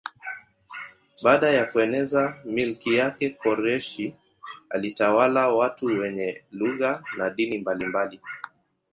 Baada ya kueneza milki yake Koreshi alitawala watu wenye lugha na dini mbalimbali.